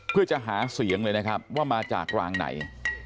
เพื่อจะหาเสียงเลยนะครับว่ามาจากรางไหน